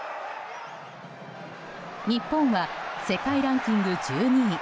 日本は世界ランキング１２位。